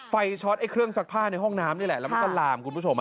ช็อตไอ้เครื่องซักผ้าในห้องน้ำนี่แหละแล้วมันก็ลามคุณผู้ชม